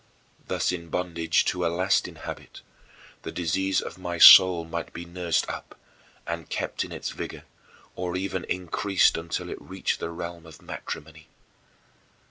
Thus in bondage to a lasting habit, the disease of my soul might be nursed up and kept in its vigor or even increased until it reached the realm of matrimony.